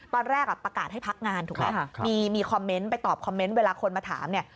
ตอนแรกประกาศให้พักงานถูกไหมมีคอมเมนต์ไปตอบคอมเมนต์เวลาคนมาถามเนี่ย